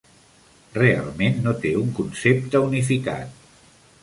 Realment no té un concepte unificat.